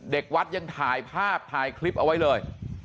เด็กวัดยังถ่ายภาพถ่ายคลิปเอาไว้เลย